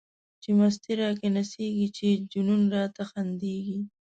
چی مستی را کی نڅیږی، چی جنون راته خندیږی